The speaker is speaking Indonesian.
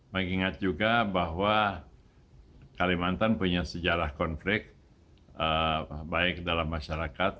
mengingat juga bahwa kalimantan punya sejarah konflik baik dalam masyarakat